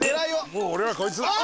もう俺はこいつ。